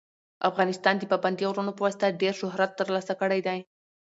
افغانستان د پابندي غرونو په واسطه ډېر شهرت ترلاسه کړی دی.